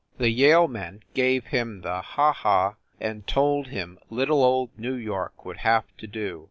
The Yale men gave him the "ha ha" and told him little old New York would have to do.